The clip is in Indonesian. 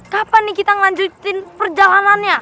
kapan nih kita ngelanjutin perjalanannya